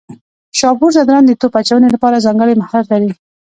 شاپور ځدراڼ د توپ اچونې لپاره ځانګړی مهارت لري.